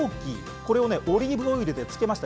これをオリーブオイルに漬けました。